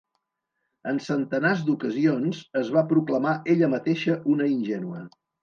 En centenars d'ocasions es va proclamar ella mateixa una ingènua.